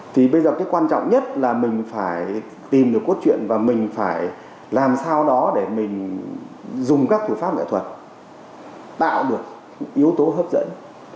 thì bây giờ cái quan trọng nhất là mình phải tìm được cốt truyện và mình phải làm sao đó để mình dùng các thủ pháp nghệ thuật tạo được yếu tố hấp dẫn